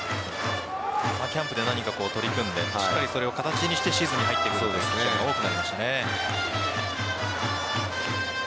キャンプで何か取り組んでしっかりそれを形にしてシーズンに入っていくところが多くなりましたね。